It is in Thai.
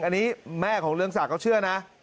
อันนี้แม่ของเรืองศักดิ์เชื่อนะ